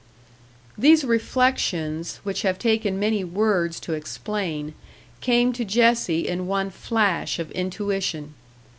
These reflections, which have taken many words to explain, came to Jessie in one flash of intuition.